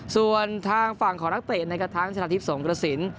ส่วนทางฝั่งของนักเตะนะครับทั้งชนะทิพย์สงกระสิน